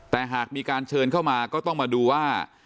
แต่หากมีการเชิญเข้ามาก็ต้องมาดูว่า